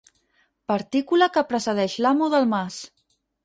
Partícula que precedeix l'amo del mas.